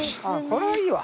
これはいいわ。